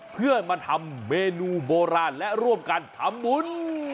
เพื่อมาทำเมนูโบราณและร่วมกันทำบุญ